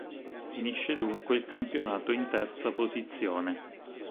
Finisce dunque il campionato in terza posizione.